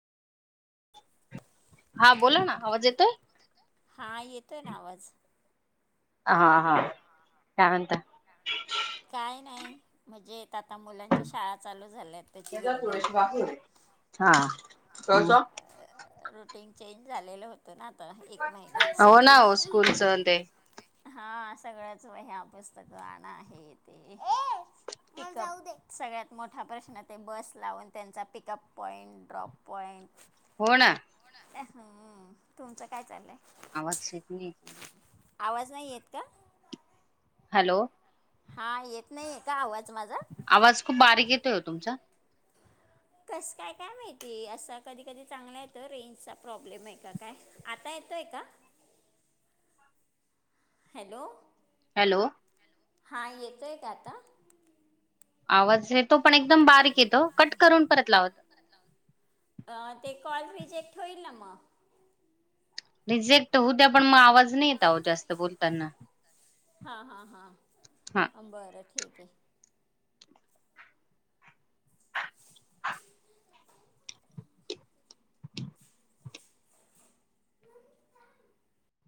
हा बोला ना आवाज येतोय. हा येतोय ना आवाज. हा हा काय म्हणता. काय नाही म्हणजे आता मुलांच्या शाळा चालू झाल्यात त्याची गडबड [unintelligible] रुटीन चेंज झालेलं होत ना आता एक महिना हो ना सुट्टी हो स्कूलच ते हा सगळंच वह्या पुस्तक आणा हे ते सगळ्यात मोठा प्रश्न ते बस लावून त्यांचा पिकअप पॉइंट ड्रॉप पॉइंट हो ना. तुमचं काय चाललंय? आवाज शेत नाही. आवाज नाही येत का? हॅलो हा येत नाही का आवाज? माझा आवाज खूप बारीक येतोय ओ तुमचा. कसं काय काय माहितीय असं कधी कधी चांगला येतो रेंजचा प्रॉब्लेम आहे का काय आता येतो य का? हॅलो हॅलो हा येतोय का आता? आवाज येतो पण एकदम बारीक तो कट करून परत लावा अं, ते कॉल रिजेक्ट होईल ना म रिजेक्ट होउ द्या पण मग आवाज नाही येतहो जास्त बोलताना हा हा हा बरं ठीक हे